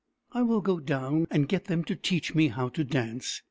I will go dowTi and get them to teach me how to dance.